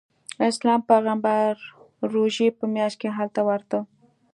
اسلام پیغمبر روژې په میاشت کې هلته ورته.